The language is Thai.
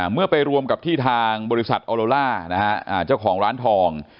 เมื่อไปรวมกับที่ทางบริษัทออโลล่าเจ้าของร้านทอง